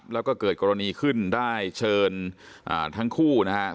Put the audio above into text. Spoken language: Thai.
แล้วก็เกิดกรณีขึ้นได้เชิญทั้งคู่นะฮะ